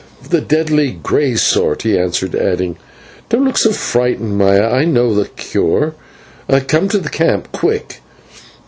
"The deadly grey sort," he answered, adding: "Don't look so frightened, Maya, I know a cure. Come to the camp, quick!"